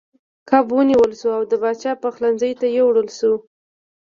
کب ونیول شو او د پاچا پخلنځي ته یووړل شو.